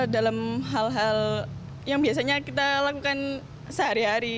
dalam hal hal yang biasanya kita lakukan sehari hari